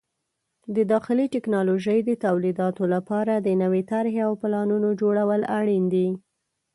د داخلي ټکنالوژۍ د تولیداتو لپاره د نوې طرحې او پلانونو جوړول اړین دي.